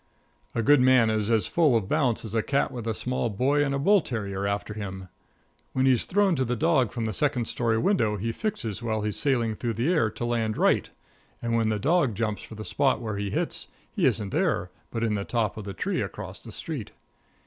A good man is as full of bounce as a cat with a small boy and a bull terrier after him. When he's thrown to the dog from the second story window, he fixes while he's sailing through the air to land right, and when the dog jumps for the spot where he hits, he isn't there, but in the top of the tree across the street.